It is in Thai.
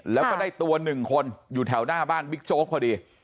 แล้วก็ได้ตัว๑คนอยู่แถวหน้าบ้านบิ๊กโจ๊กพอดี